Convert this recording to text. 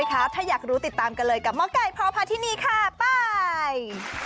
ถ้าอยากรู้ติดตามกันเลยกับหมอไก่พพาธินีค่ะไป